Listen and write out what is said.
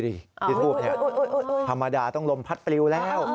ที่ทูบธรรมดาต้องลมพัดปลิวแล้ว